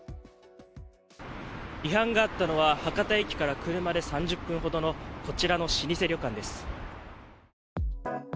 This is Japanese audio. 違反があったのは博多駅から車で３０分ほどのこちらの老舗旅館です。